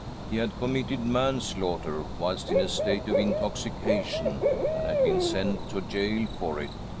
He had committed man slaughter whilst in a state of intoxication, and had been sent to goal for it.